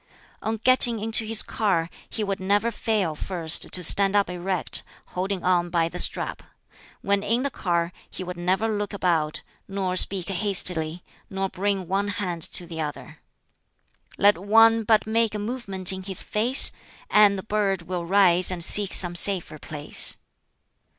On getting into his car, he would never fail (first) to stand up erect, holding on by the strap. When in the car, he would never look about, nor speak hastily, nor bring one hand to the other. "Let one but make a movement in his face, And the bird will rise and seek some safer place."